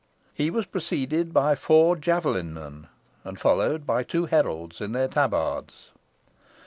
He was preceded by four javelin men, and followed by two heralds in their tabards.